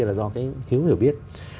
là do cái thiếu hiểu biết